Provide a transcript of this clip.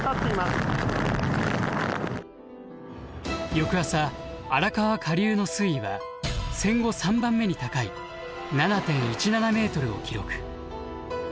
翌朝荒川下流の水位は戦後３番目に高い７．１７メートルを記録。